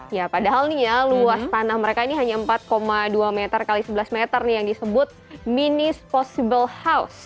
ya padahal nih ya luas tanah mereka ini hanya empat dua meter x sebelas meter nih yang disebut minis possible house